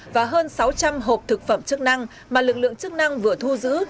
và hơn sáu trăm linh hộp thực phẩm chức năng mà lực lượng chức năng vừa thu giữ